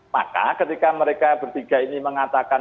maka ketika mereka bertiga ini mengatakan